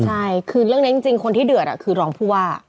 ใช่คือเรื่องนี้จริงคนที่เดือดคือรองผู้ว่า